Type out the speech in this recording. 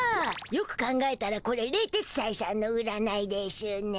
よく考えたらこれ冷徹斎さんの占いでしゅね。